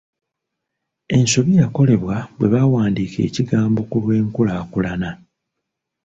Ensobi yakolebwa bwe baawandiika ekigambo 'kulw’enkulakulana'.